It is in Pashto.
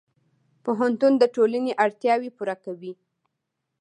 پوهنتون د ټولنې اړتیاوې پوره کوي.